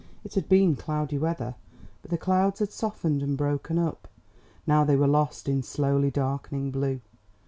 It had been cloudy weather, but the clouds had softened and broken up. Now they were lost in slowly darkening blue.